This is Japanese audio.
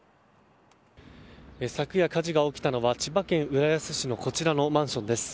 昨夜、火事が起きたのは千葉県浦安市のこちらのマンションです。